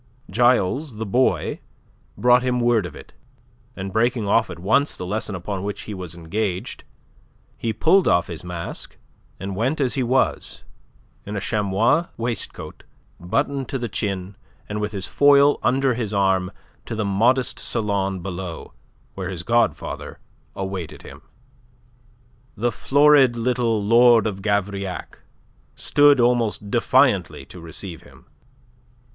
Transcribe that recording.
Gilles, the boy, brought him word of it, and breaking off at once the lesson upon which he was engaged, he pulled off his mask, and went as he was in a chamois waistcoat buttoned to the chin and with his foil under his arm to the modest salon below, where his godfather awaited him. The florid little Lord of Gavrillac stood almost defiantly to receive him.